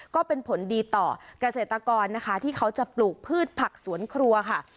ก็เป็นผลดีต่อเกษตรกรนะคะที่เขาจะปลูกพืชผักสวนครัวค่ะ